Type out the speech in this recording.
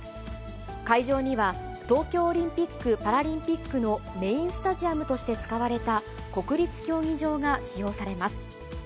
会場には、東京オリンピック・パラリンピックのメインスタジアムとして使われた国立競技場が使用されます。